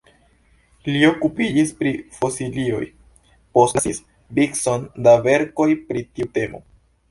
Li okupiĝis pri fosilioj, postlasis vicon da verkoj pri tiu temo.